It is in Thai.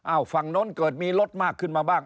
ฝั่งโน้นเกิดมีรถมากขึ้นมาบ้าง